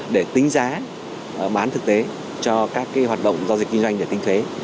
để tính giá bán thực tế cho các hoạt động giao dịch kinh doanh để tính thuế